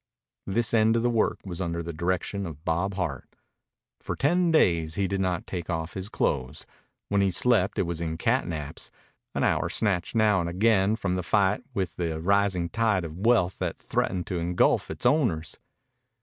This end of the work was under the direction of Bob Hart. For ten days he did not take off his clothes. When he slept it was in cat naps, an hour snatched now and again from the fight with the rising tide of wealth that threatened to engulf its owners.